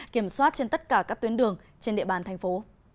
kiểm soát trên tất cả các tuyến đường trên địa bàn thành phố